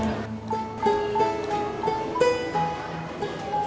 gak ada yang masak